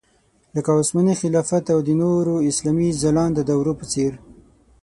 لکه عثماني خلافت او د نورو اسلامي ځلانده دورو په څېر.